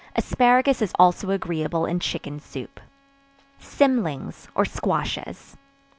Asparagus is also agreeable in chicken soup. Cymlings, or Squashes.